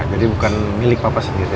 jadi bukan milik papa sendiri